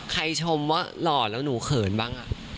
ชมว่าหล่อแล้วหนูเขินบ้าง